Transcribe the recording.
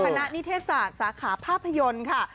นิเทศศาสตร์สาขาภาพยนตร์ค่ะ